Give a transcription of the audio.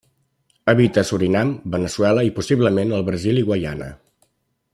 Habita a Surinam, Veneçuela i, possiblement, al Brasil i Guyana.